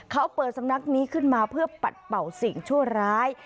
เขาเปิดสำนักนี้ขึ้นมาเพื่อปัดเป่าสิ่งชั่วร้าย